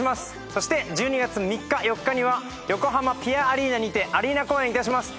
そして１２月３日４日には横浜ぴあアリーナにてアリーナ公演いたします。